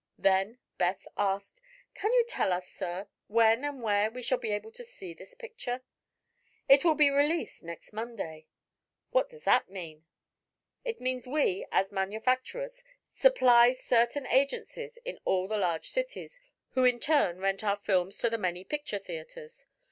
Then Beth asked: "Can you tell us, sir, when and where we shall be able to see this picture?" "It will be released next Monday." "What does that mean?" "It means that we, as manufacturers, supply certain agencies in all the large cities, who in turn rent our films to the many picture theatres.